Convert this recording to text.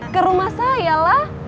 ke rumah sayalah